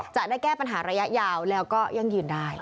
จะได้แก้ปัญหาระยะยาวแล้วก็ยั่งยืนได้